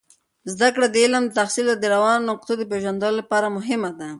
زده کړه د علم د تحصیل د روانو نقطو د پیژندلو لپاره مهمه ده.